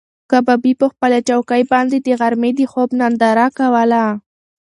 کبابي په خپله چوکۍ باندې د غرمې د خوب ننداره کوله.